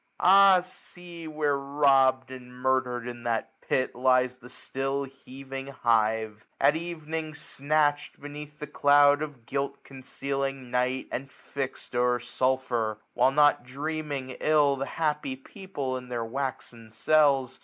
Ah see where robb'd, and murder'd, in that pit 1 1 70 Lies the still heaving hive ! at evening snatched, 3eneath the cloud of guilt concealing night, And fixM o^er sulphur: while, not dreaming ill. The happy people, in their waxen cells.